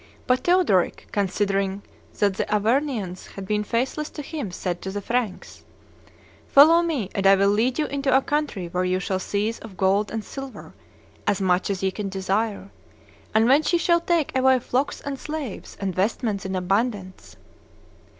But Theodoric, considering that the Arvernians had been faithless to him, said to the Franks, "Follow me, and I will lead you into a country where ye shall seize of gold and silver as much as ye can desire, and whence ye shall take away flocks and slaves and vestments in abundance!"